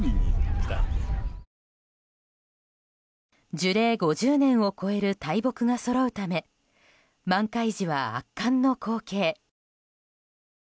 樹齢５０年を超える大木がそろうため満開時は圧巻の光景。